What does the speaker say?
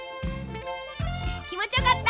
きもちよかった？